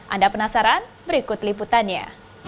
anda penasaran berikut liputannya